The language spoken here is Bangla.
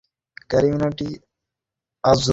তোমরা তো তা জানই এবং অনুভব কর।